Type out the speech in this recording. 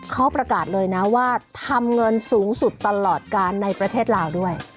เขาประกาศเลยนะว่าทำเงินสูงสุดตลอดการในประเทศลาวด้วย